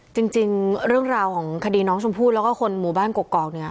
จริงเรื่องราวของคดีน้องชมพู่แล้วก็คนหมู่บ้านกกอกเนี่ย